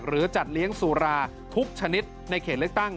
จัดเลี้ยงสุราทุกชนิดในเขตเลือกตั้ง